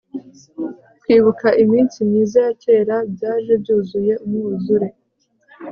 kwibuka iminsi myiza ya kera byaje byuzuye umwuzure